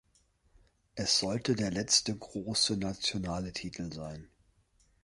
Es sollte der letzte große nationale Titel sein.